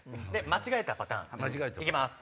間違えたパターン行きます。